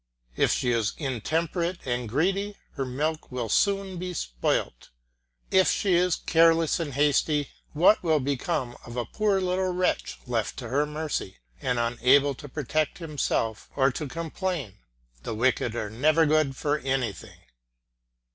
If she is intemperate and greedy her milk will soon be spoilt; if she is careless and hasty what will become of a poor little wretch left to her mercy, and unable either to protect himself or to complain. The wicked are never good for anything.